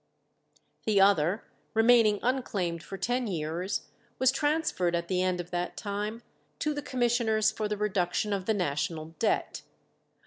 The other, remaining unclaimed for ten years, was transferred at the end of that time to the commissioners for the reduction of the National Debt.